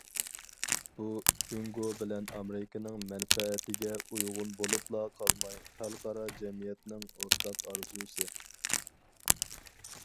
بۇ، جۇڭگو بىلەن ئامېرىكىنىڭ مەنپەئەتىگە ئۇيغۇن بولۇپلا قالماي، خەلقئارا جەمئىيەتنىڭ ئورتاق ئارزۇسى.